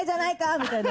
みたいなの。